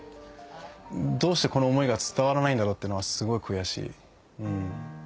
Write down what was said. どうしてこの思いが伝わらないんだろうっていうのはすごい悔しい。